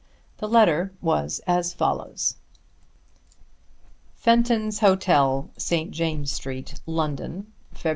The letter was as follows; Fenton's Hotel, St. James' Street, London, Feb.